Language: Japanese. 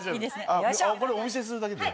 これお見せするだけで？